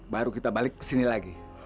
baru kita balik kesini lagi